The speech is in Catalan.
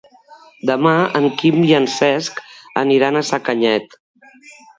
Demà en Quim i en Cesc aniran a Sacanyet.